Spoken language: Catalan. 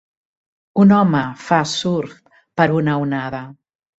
Un home fa surf per una onada.